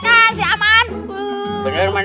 bener suara perkelahian